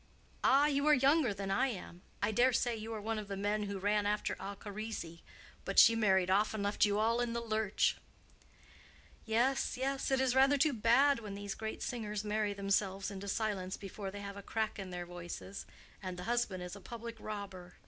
"Ah, you are younger than I am. I dare say you are one of the men who ran after Alcharisi. But she married off and left you all in the lurch." "Yes, yes; it's rather too bad when these great singers marry themselves into silence before they have a crack in their voices. And the husband is a public robber.